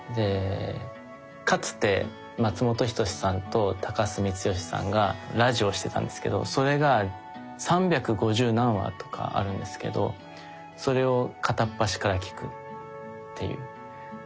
かつて松本人志さんと高須光聖さんがラジオをしてたんですけどそれが３５０何話とかあるんですけどそれを片っ端から聴くっていうことをですね